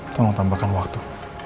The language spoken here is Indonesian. tolong tambahkan waktu